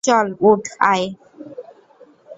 চল, উঠ, আয়।